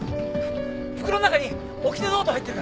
袋の中におきてノート入ってるから。